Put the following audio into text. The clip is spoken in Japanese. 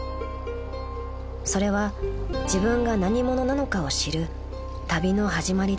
［それは自分が何者なのかを知る旅の始まりでした］